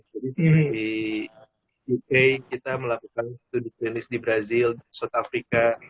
jadi di uk kita melakukan studi klinis di brazil south africa